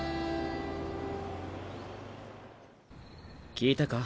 聞いたか？